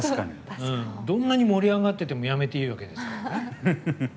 どんなに盛り上がっててもやめていいわけですからね。